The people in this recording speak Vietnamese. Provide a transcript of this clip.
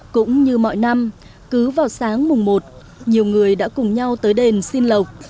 cũng như mọi năm cứ vào sáng mùng một nhiều người đã cùng nhau tới đền xin lộc